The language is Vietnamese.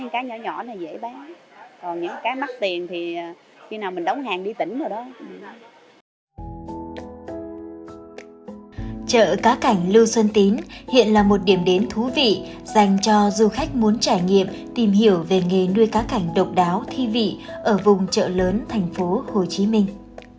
chợ cá cảnh lưu xuân tín hiện là một điểm đến thú vị dành cho du khách muốn trải nghiệm tìm hiểu về nghề nuôi cá cảnh độc đáo thi vị ở vùng chợ lớn thành phố hồ chí minh